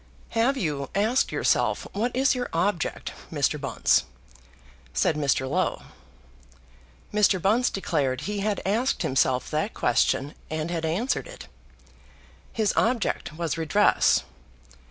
"Have you asked yourself what is your object, Mr. Bunce?" said Mr. Low. Mr. Bunce declared he had asked himself that question, and had answered it. His object was redress.